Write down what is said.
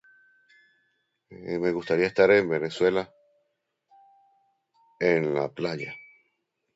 Me gustaría estar en Venezuela, en la playa.